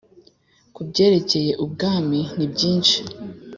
ku byerekeye ubwami ni byinshi